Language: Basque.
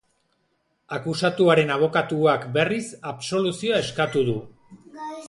Akusatuaren abokatuak, berriz, absoluzioa eskatu du.